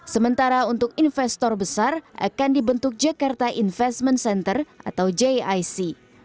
sementara untuk investor besar akan dibentuk jakarta investment center atau jic